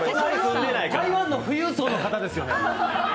台湾の富裕層の方ですよね。